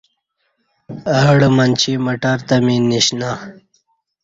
اہ ڈہ منچی مٹر تہ می نیݜنہ